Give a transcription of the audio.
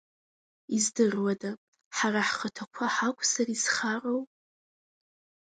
Издыруада, ҳара ҳхаҭақәа ҳакәзар изхароу?